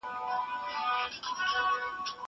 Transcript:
زه هره ورځ د کتابتوننۍ سره مرسته کوم!!